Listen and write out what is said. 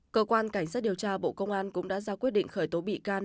cơ quan cảnh sát điều tra bộ công an cũng đã ra quyết định khởi tố bị can